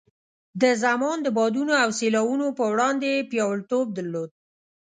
د زمان د بادونو او سیلاوونو په وړاندې یې پیاوړتوب درلود.